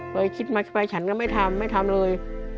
ไปคิดมาไปฉันก็ไม่ทำไม่ทำเลย